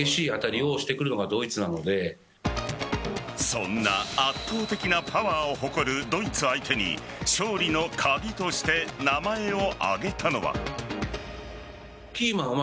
そんな圧倒的なパワーを誇るドイツ相手に勝利の鍵として名前を挙げたのは。